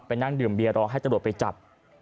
นั่งดื่มเบียรอให้ตำรวจไปจับ